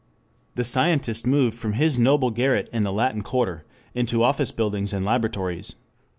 The scientist moved from his noble garret in the Latin Quarter into office buildings and laboratories.